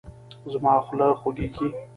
زما خوله خوږیږي